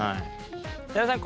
寺田さん